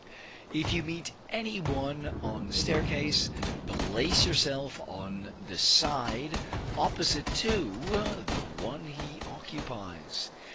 If you meet any one on the staircase, place yourself on the side opposite to the one he occupies.